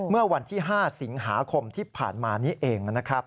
เมื่อวันที่๕สิงหาคมที่ผ่านมานี้เองนะครับ